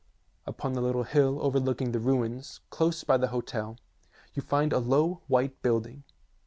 Upon the little hill over looking the ruins, close by the hotel, you find a low white building.